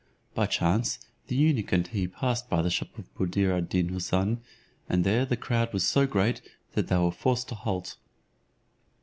By chance the eunuch and he passed by the shop of Buddir ad Deen Houssun, and there the crowd was so great, that they were forced to halt.